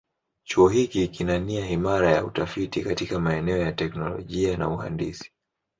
Chuo hiki kina nia imara ya utafiti katika maeneo ya teknolojia na uhandisi.